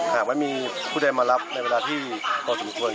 หากมีผู้เดินมารับในเวลาที่โกยสมควร